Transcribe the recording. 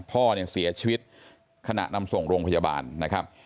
พ่อเนี่ยเสียชีวิตขณะนำส่งโรงพยาบาลนะครับ